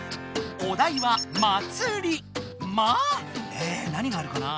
⁉え何があるかな？